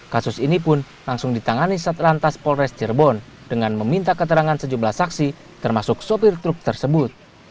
kasus ini pun langsung ditangani satlantas polres cirebon dengan meminta keterangan sejumlah saksi termasuk sopir truk tersebut